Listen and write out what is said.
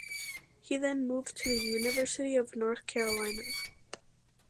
He then moved to the University of North Carolina.